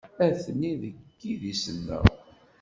Atni seg yidis-nneɣ.